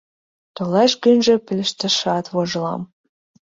Толеш гынже, пелешташат вожылам.